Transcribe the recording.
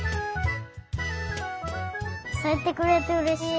さいてくれてうれしい。